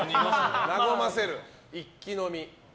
和ませる、一気飲み。